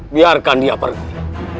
biarkan dia pergi